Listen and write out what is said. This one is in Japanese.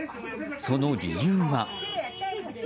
その理由は。